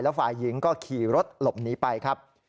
ฝ่ายหญิงก็ขี่รถหลบหนีไปครับ